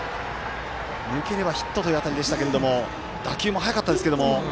抜ければヒットという当たりでしたけれども打球も速かったですけれども。